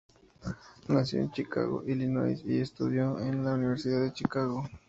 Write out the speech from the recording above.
Nació en Chicago, Illinois, y estudió en la Universidad de Chicago.